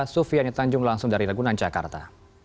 sufian yutanjung langsung dari ragunan jakarta